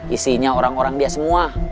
isinya orang orang dia semua